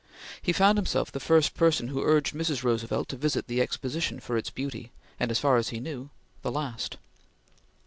He found himself the first person who urged Mrs. Roosevelt to visit the Exposition for its beauty, and, as far as he ever knew, the last.